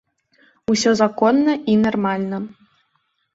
Усё законна і нармальна.